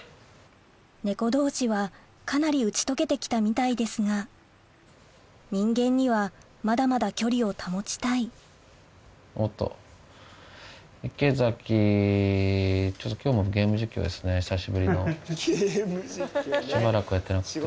猫同士はかなり打ち解けて来たみたいですが人間にはまだまだ距離を保ちたいしばらくやってなかった。